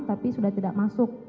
tapi sudah tidak masuk